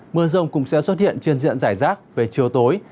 mưa rông cũng sẽ xuất hiện trên diện giải rác về chiều tối